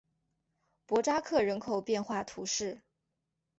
博扎克人口变化图示